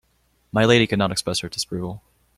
My lady could not express her disapproval.